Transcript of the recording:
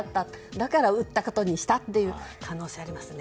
だから売ったことにしたという可能性ありますね。